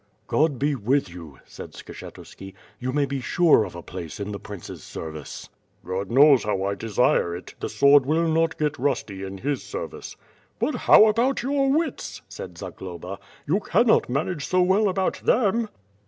"God be with you," said Skshetuski. "You may be sure of a place in the Prince's service." "God knows how I desire it, the sword will not get rusty in his service." "But how about your wits?" said Zagloba. "You cannot manage so well about them?"